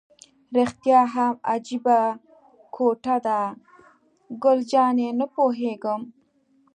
رښتیا هم عجیبه کوټه ده، ګل جانې: نه پوهېږم.